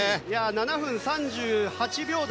７分３８秒台。